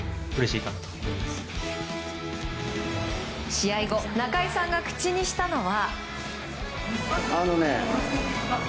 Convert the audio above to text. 試合後中居さんが口にしたのは。